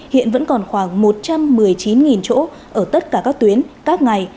hiện vẫn còn khoảng một trăm một mươi chín chỗ ở tất cả các tuyến các ngày